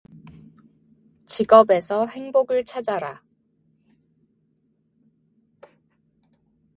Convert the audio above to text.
직업에서 행복을 찾아라.